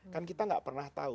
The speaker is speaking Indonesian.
kan kita nggak pernah tahu